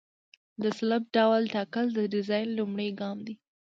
د سلب ډول ټاکل د ډیزاین لومړی ګام دی